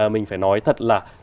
mình phải nói thật là